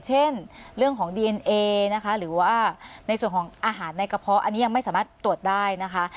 เช่นเรื่องของดีเอนเอนะคะหรือว่าในส่วนของอาหารในกระเพาะอันนี้ยังไม่สามารถตรวจได้นะคะ